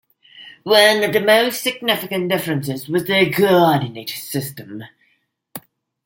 One of the most significant differences was the coordinate system.